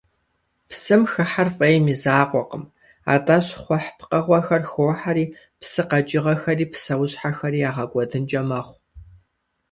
Псым хыхьэр фӀейм и закъуэкъым, атӀэ щхъухь пкъыгъуэхэр хохьэри псы къэкӀыгъэхэри псэущхьэхэри ягъэкӀуэдынкӀэ мэхъу.